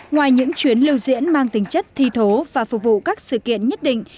ngoài những chuyến lưu diễn mang tính chất thi thố và phục vụ các sự kiện nhất định